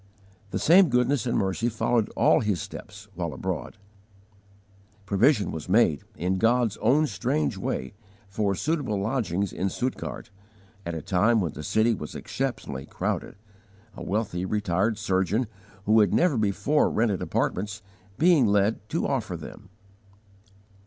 The same goodness and mercy followed all his steps while abroad. Provision was made, in God's own strange way, for suitable lodgings in Stuttgart, at a time when the city was exceptionally crowded, a wealthy retired surgeon, who had never before rented apartments, being led to offer them.